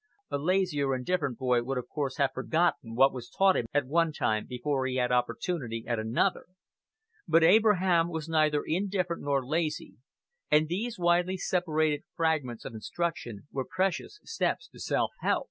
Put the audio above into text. A lazy or indifferent boy would of course have forgotten what was taught him at one time before he had opportunity at another; but Abraham was neither indifferent nor lazy, and these widely separated fragments of instruction were precious steps to self help.